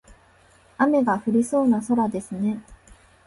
雨が降りそうな空ですね。